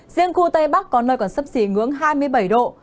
riêng khu tây bắc có nơi còn sấp xỉ ngưỡng hai mươi bảy độ